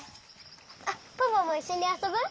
あっポポもいっしょにあそぶ？